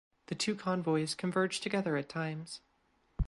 The two convoys converged together at times.